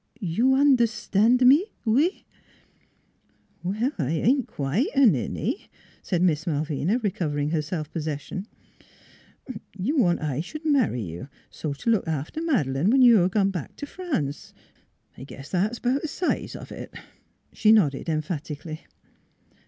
... You un'erstan' me out? "" Well, I ain't quite a ninny," said Miss Mal vina, recovering her self possession :" you want I should marry you, so 's to look after Mad'lane when you're gone back to France. I guess that's about th' size of it." She nodded emphatically.